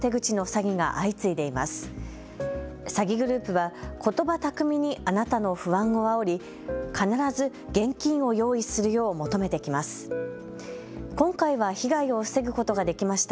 詐欺グループはことば巧みにあなたの不安をあおり、必ず現金を用意するよう求めてきます。